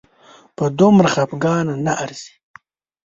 په دومره خپګان نه ارزي